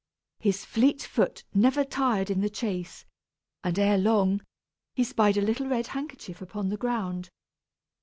His fleet foot never tired in the chase, and, erelong, he spied a little red handkerchief upon the ground.